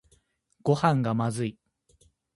ごはんがまずい